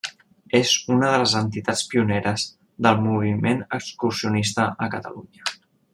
És una de les entitats pioneres del moviment excursionista a Catalunya.